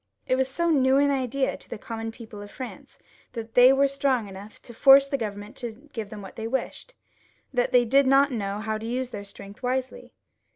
It was so new an idea to the common people of France, that they were strong enough to force the Government to give them XLVIL] LOUIS XVL 381 what they wished, that they did not know how to use their strength wisely.